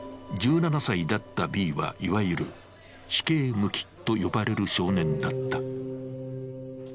１７歳だったＢは、いわゆる死刑無期と呼ばれる少年だった。